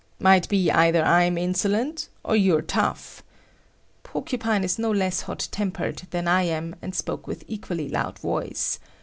"Might be either I'm insolent or you're tough." Porcupine is no less hot tempered than I am, and spoke with equally loud voice.